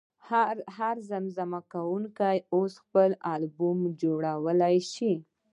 هر زمزمه کوونکی اوس خپل البوم جوړولی شي.